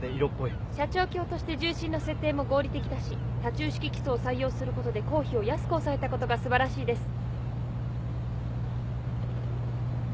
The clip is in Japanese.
斜張橋として重心の設定も合理的だし多柱式基礎を採用することで工費を安く抑えたことが素晴らしいです。